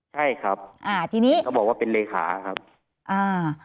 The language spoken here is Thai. ใช่ครับอ่าทีนี้เขาบอกว่าเป็นเลขาครับอ่า